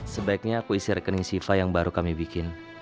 sebaiknya aku isi rekening siva yang baru kami bikin